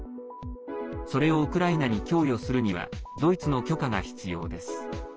それをウクライナに供与するにはドイツの許可が必要です。